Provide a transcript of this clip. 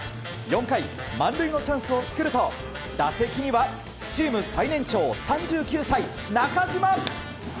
４回、満塁のチャンスを作ると打席にはチーム最年長３９歳、中島。